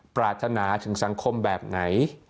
ปรารถนาถึงสังคมแบบไหน